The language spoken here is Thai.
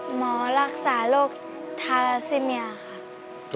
หมอรักษาโรคทาราซิเมียค่ะ